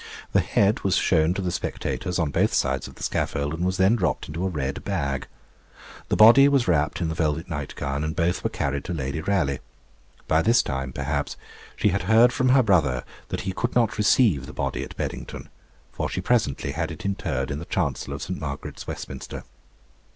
The head was shown to the spectators, on both sides of the scaffold, and was then dropped into a red bag. The body was wrapt in the velvet night gown, and both were carried to Lady Raleigh. By this time, perhaps, she had heard from her brother that he could not receive the body at Beddington, for she presently had it interred in the chancel of St. Margaret's, Westminster.